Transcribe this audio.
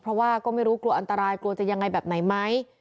เพราะว่าก็ไม่รู้กลัวอันตรายกลัวจะยังไงแบบไหนไหม